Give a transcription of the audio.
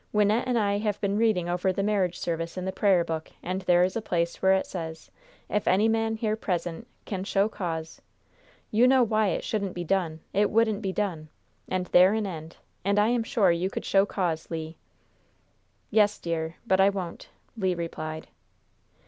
Wynnette and I have been reading over the marriage service in the prayer book, and there is a place where it says, 'If any man here present can show cause' You know why it shouldn't be done, it wouldn't be done, and there an end! And I am sure you could show cause, Le!" "Yes, dear; but I won't!" Le replied.